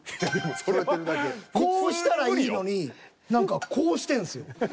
こうしたらいいのに何かこうしてんすよ。